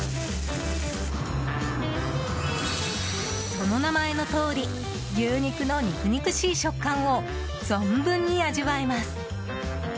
その名前のとおり牛肉の肉々しい食感を存分に味わえます。